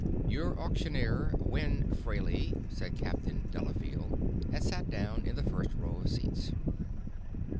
"Your auctioneer, Win Fraley," said Captain Delafield, and sat down in the first row of seats.